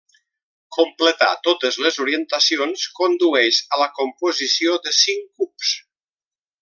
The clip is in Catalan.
Completar totes les orientacions condueix a la composició de cinc cubs.